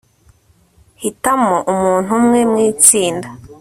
hitamo umuntu umwe mu itsinda